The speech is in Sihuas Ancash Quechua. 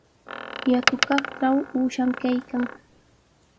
Yakukaqtraw uushan kaykan.